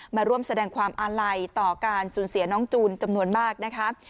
มาร่วมแสดงความอาลัยต่อการสูญเสียน้องจูนจำนวนมากนะคะ